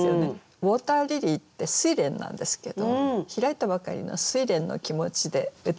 「ウォーターリリー」ってすいれんなんですけど開いたばかりのすいれんの気持ちでうたってみました。